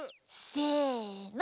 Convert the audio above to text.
せの。